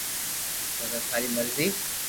پسي ٿاري مرزي